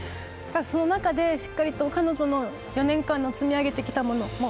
ただその中でしっかりと彼女の４年間積み上げてきたもの